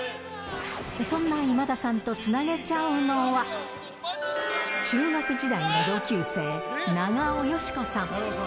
そんな今田さんとつなげちゃうのは、中学時代の同級生、長尾能子さん。